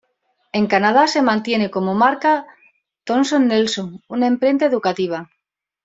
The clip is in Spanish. En Canadá, se mantiene como la marca Thomson Nelson, una imprenta educativa.